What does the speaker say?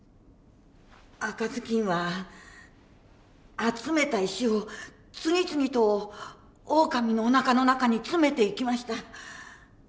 赤ずきんは集めた石を次々とオオカミのおなかの中に詰めていきました。